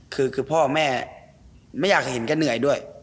คือพ่อแม่ไม่อยากเห็นแกเหนื่อยด้วย